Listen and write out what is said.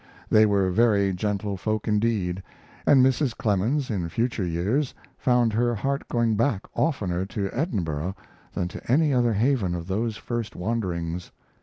They were very gentle folk indeed, and Mrs. Clemens, in future years, found her heart going back oftener to Edinburgh than to any other haven of those first wanderings.